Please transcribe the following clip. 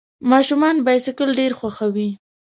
ماشومان بایسکل ډېر خوښوي.